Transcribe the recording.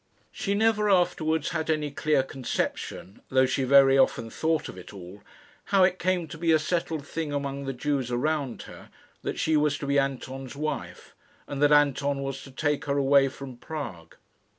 She never afterwards had any clear conception, though she very often thought of it all, how it came to be a settled thing among the Jews around her, that she was to be Anton's wife, and that Anton was to take her away from Prague.